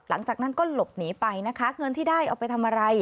หลังจากนั้นก็หลบหนีไปนะคะเงินที่ได้เอาไปทำอะไร